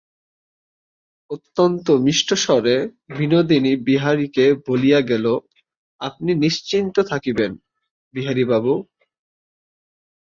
অত্যন্ত মিষ্টস্বরে বিনোদিনী বিহারীকে বলিয়া গেল, আপনি নিশ্চিন্ত থাকিবেন, বিহারীবাবু।